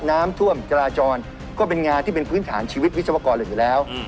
น้ำท่วมจราจรก็เป็นงานที่เป็นพื้นฐานชีวิตวิศวกรอื่นอยู่แล้ว